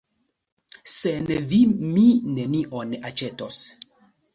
Sen vi mi nenion aĉetos.